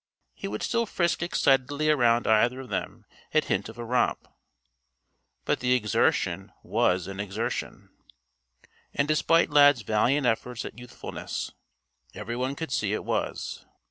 He would still frisk excitedly around either of them at hint of a romp. But the exertion was an exertion. And despite Lad's valiant efforts at youthfulness, everyone could see it was.